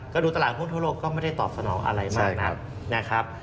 ก็ดูตลาดหุ้นทั่วโลกก็ไม่ได้ตอบสนองอะไรมากนักนะครับ